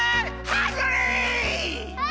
ハングリー！